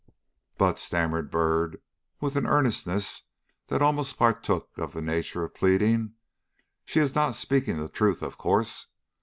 "But," stammered Byrd, with an earnestness that almost partook of the nature of pleading, "she is not speaking the truth, of course.